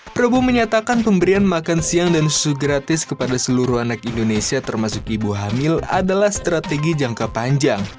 prabowo menyatakan pemberian makan siang dan susu gratis kepada seluruh anak indonesia termasuk ibu hamil adalah strategi jangka panjang